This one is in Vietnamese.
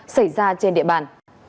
xảy ra trên địa bàn